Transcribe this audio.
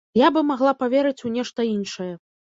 Я бы магла паверыць у нешта іншае.